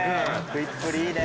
食いっぷりいいね。